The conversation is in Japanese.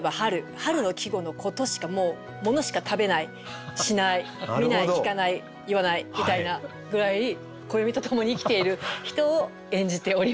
春の季語のことしかもうものしか食べないしない見ない聞かない言わないみたいなぐらい暦とともに生きている人を演じております。